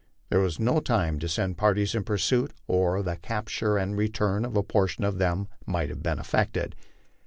There was no time to send parties in pursuit, or the capture and return of a portion of them might have been effected.